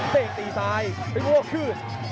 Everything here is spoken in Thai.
เต้นตีซ้ายกว้วกคื่น